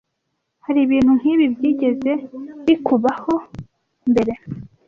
Hari ibintu nkibi byigeze bikubaho mbere?